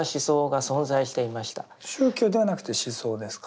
宗教ではなくて思想ですか。